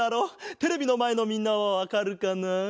テレビのまえのみんなはわかるかな？